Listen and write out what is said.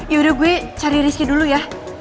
yaudah gue cari rizky dulu ya